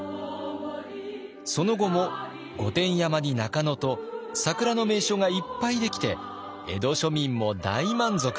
その後も御殿山に中野と桜の名所がいっぱい出来て江戸庶民も大満足。